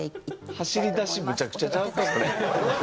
走り出しむちゃくちゃちゃうか？